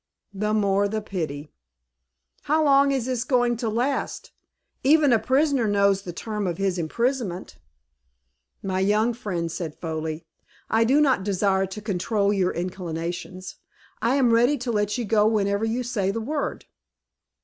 "The more the pity." "How long is this going to last? Even a prisoner knows the term of his imprisonment." "My young friend," said Foley, "I do not desire to control your inclinations. I am ready to let you go whenever you say the word."